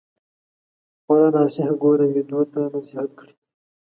خوار ناصح ګوره ويدو تـــه نصيحت کړي